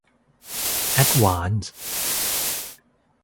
แอดวานส์